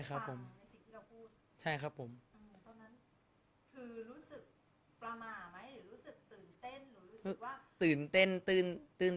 สงฆาตเจริญสงฆาตเจริญ